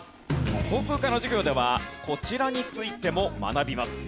航空科の授業ではこちらについても学びます。